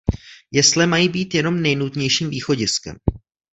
Jesle mají být jenom nejnutnějším východiskem.